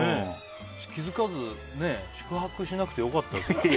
気づかず宿泊しなくてよかったですね。